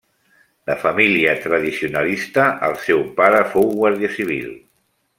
De família tradicionalista, el seu pare fou guàrdia civil.